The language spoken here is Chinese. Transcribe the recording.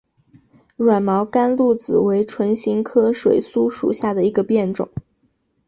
软毛甘露子为唇形科水苏属下的一个变种。